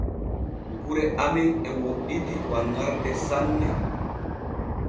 Gure amen e woɗɗidi wanŋarde sanne.